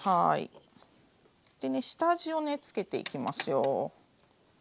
でね下味をつけていきますよ。